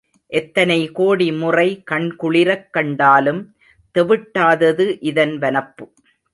எத்தனை கோடி முறை கண்குளிரக் கண்டாலும் தெவிட்டாதது இதன் வனப்பு.